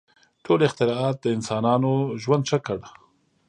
• ټول اختراعات د انسانانو ژوند ښه کړ.